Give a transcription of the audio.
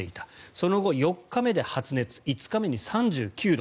その後、４日目で発熱５日目に３９度。